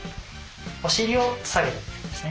お尻を下げていくんですね。